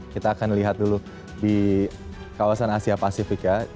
kita akan lihat dulu di kawasan asia pasifik ya